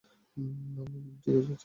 না, ম্যাম, উনি ঠিকই বলেছেন!